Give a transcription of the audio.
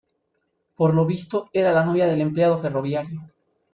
Por lo visto, era la novia del empleado ferroviario.